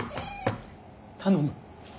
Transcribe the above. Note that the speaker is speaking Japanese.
頼む！